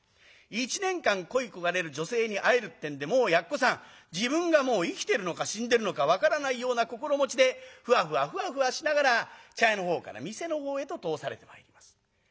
一年間恋い焦がれる女性に会えるってんでもうやっこさん自分がもう生きてるのか死んでるのか分からないような心持ちでふわふわふわふわしながら茶屋のほうから店のほうへと通されてまいります。